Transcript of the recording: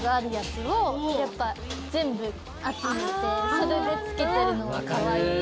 それで付けてるのがかわいい。